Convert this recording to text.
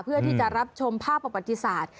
เพื่อที่จะรับชมภาพประวัติศาสตร์